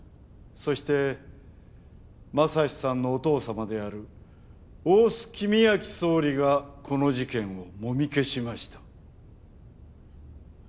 そして匡さんのお父さまである大須公昭総理がこの事件を揉み消しました。